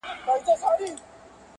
شکمن کس د هغه په دسيسو خبرول پکار دي.